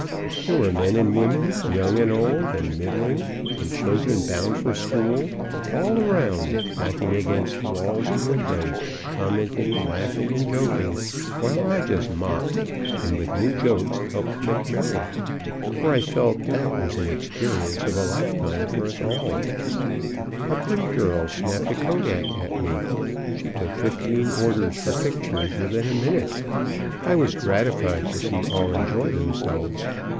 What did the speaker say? There were men and women, young and old and middling, and children bound for school; all around, backing against the walls and windows, commenting, laughing, and joking; while I just mopped, and with new jokes helped make merry, for I felt that was an experience of a lifetime for all of us. A pretty girl snapped a kodak at me; she took fifteen orders for pictures within a minute. I was gratified to see all enjoy themselves.